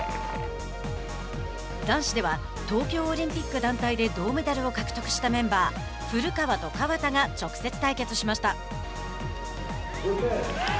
男子では東京オリンピック団体で銅メダルを獲得したメンバー古川と河田が直接対決しました。